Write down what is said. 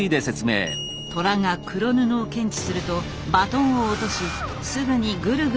トラが黒布を検知するとバトンを落としすぐにグルグルと巻き取る。